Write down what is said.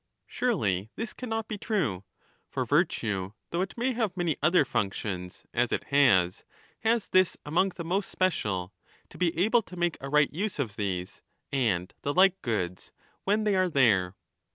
Surely this cannot be true ! For virtue, though it may have many 25 other functions, as it has, has this among the most special, to be able to make a right use of these and the like goods when they are there.